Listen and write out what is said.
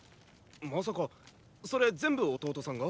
まさかそれ全部弟さんが？